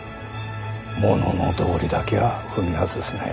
物の道理だけは踏み外すなよ。